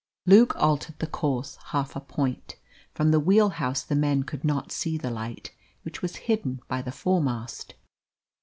Luke altered the course half a point. From the wheel house the men could not see the light, which was hidden by the fore mast.